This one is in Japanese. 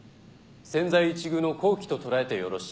千載一遇の好機と捉えてよろしいかと。